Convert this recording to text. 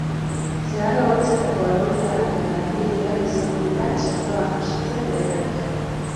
Zahar-egoitzetako egoiliarrak eta langileak izango dira txertoa jasotzen lehenak.